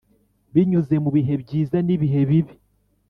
binyuze mu bihe byiza n'ibihe bibi